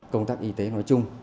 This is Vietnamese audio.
công tác y tế nói chung